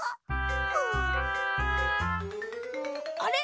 あれ？